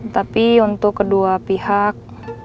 tapi untuk kedua pihak